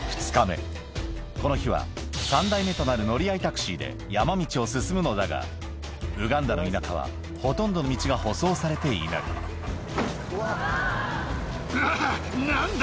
この日は３台目となる乗り合いタクシーで山道を進むのだがウガンダの田舎はほとんど道が舗装されていないうわ何だ？